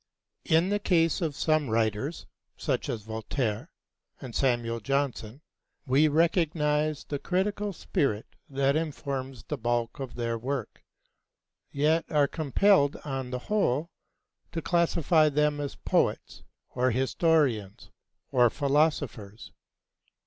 In the case of some writers, such as Voltaire and Samuel Johnson, we recognize the critical spirit that informs the bulk of their work, yet are compelled on the whole to classify them as poets, or historians, or philosophers.